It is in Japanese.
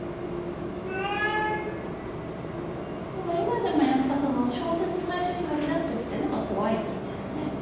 だから今でもやっぱ小説最初に書きだす時って何か怖いですね。